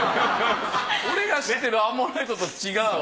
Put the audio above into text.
俺が知ってるアンモナイトと違う。